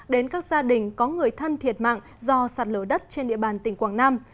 đến các gia đình có người thân thiệt mạng do sạt lở đất trên địa bàn tỉnh quảng nam